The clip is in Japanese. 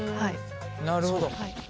なるほど。